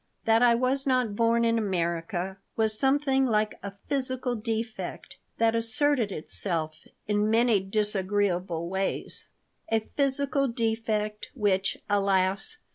That I was not born in America was something like a physical defect that asserted itself in many disagreeable ways a physical defect which, alas!